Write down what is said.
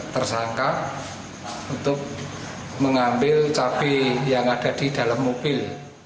tersangka untuk mengambil cabai yang ada di dalam mobil